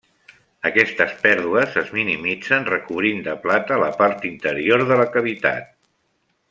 Aquestes pèrdues es minimitzen recobrint de plata la part interior de la cavitat.